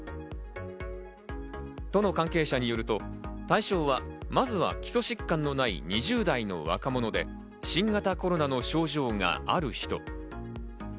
都の関係者によると、対象はまずは基礎疾患のない２０代の若者で、新型コロナの症状がある人。